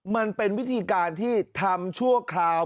มันเป็นวิธีการที่ทำชั่วคราว